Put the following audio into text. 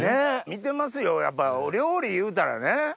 見てますよやっぱお料理いうたらね